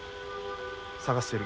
探してる。